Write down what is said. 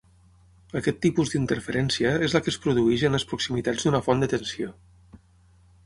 Aquest tipus d'interferència és la que es produeix en les proximitats d'una font de tensió.